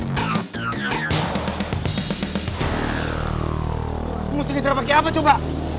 masih gak bisa pakai apa juga